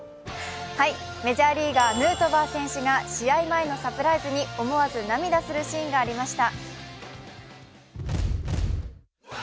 メジャーリーガーヌートバー選手が試合前のサプライズに思わず涙するシーンがありました。